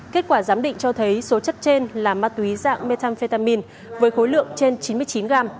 kết quả giám định cho thấy số chất trên là ma túy dạng methamphetamin với khối lượng trên chín mươi chín gram